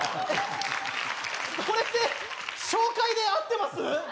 これって紹介で合ってます？